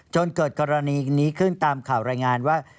จนเกิดกรณีนี้ขึ้นตามข่าวรายงานว่า